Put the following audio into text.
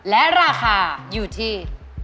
และราคาอยู่ที่